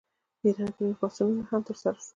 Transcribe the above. په ایران کې نور پاڅونونه هم ترسره شول.